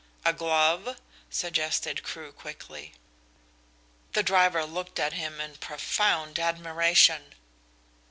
"A glove?" suggested Crewe quickly. The driver looked at him in profound admiration.